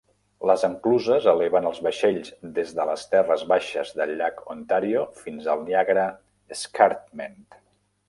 Les encluses eleven els vaixells des de les terres baixes del llac Ontario fins al Niagara Escarpment.